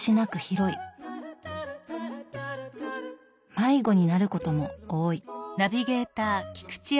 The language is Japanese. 迷子になることも多い。